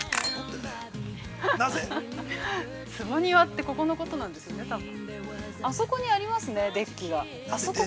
坪庭って、ここのことなんですよね、多分。